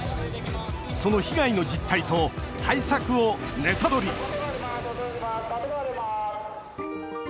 その被害の実態と対策をネタドリ！